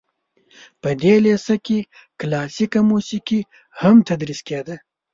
په دې لیسه کې کلاسیکه موسیقي هم تدریس کیده.